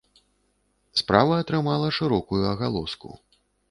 Справа атрымала шырокую агалоску.